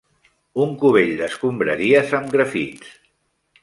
Un cubell d'escombraries amb grafits